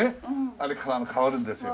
あれから変わるんですよ。